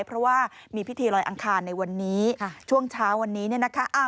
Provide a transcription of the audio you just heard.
เพราะว่ามีพิธีลอยอังคารในวันนี้ช่วงเช้าวันนี้เนี่ยนะคะ